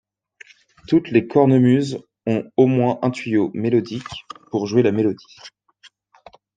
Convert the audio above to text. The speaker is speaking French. Toutes les cornemuses ont au moins un tuyau mélodique, pour jouer la mélodie.